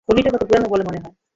খনিটা কতো পুরনো বলে মনে হয়?